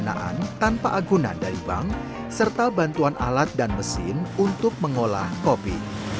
penggunaan tanpa agunan dari bank serta bantuan alat dan mesin untuk mengolah kopi